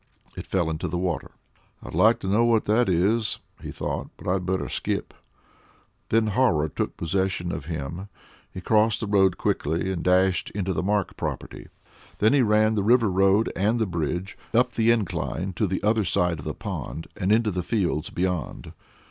It fell into the water. "I'd like to know what that is," he thought; "but I'd better skip." Then horror took possession of him; he crossed the road quickly and dashed into the Mark property. Then he ran to River Road and the bridge, up the incline on the other side of the pond, and into the fields beyond.